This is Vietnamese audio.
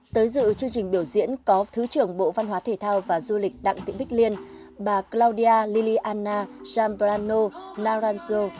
tới dự chương trình biểu diễn có thứ trưởng bộ văn hóa thể thao và du lịch đặng tịnh bích liên bà claudia liliana zambrano naranjo